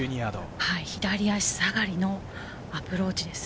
左足下がりのアプローチです。